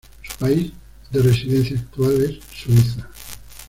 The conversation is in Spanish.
Su país de residencia actual es Suiza.